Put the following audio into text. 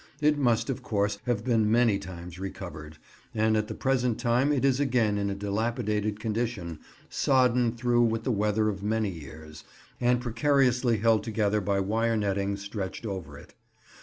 It must, of course, have been many times re covered, and at the present time it is again in a dilapidated condition, sodden through with the weather of many years, and precariously held together by wire netting stretched over it.